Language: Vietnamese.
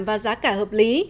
và giá cả hợp lý